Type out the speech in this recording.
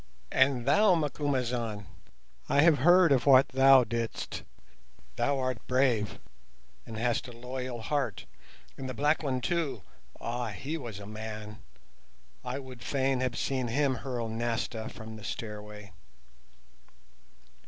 "And thou, Macumazahn, I have heard of what thou didst; thou art brave, and hast a loyal heart. And the black one too, ah, he was a man. I would fain have seen him hurl Nasta from the stairway."